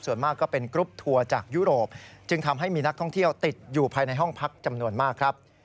ส่วนมากก็เป็นกรุ๊ปทัวร์จากยุโรปจึงทำให้มีนักท่องเที่ยวติดอยู่ภายในห้องพักจำนวนมากครับ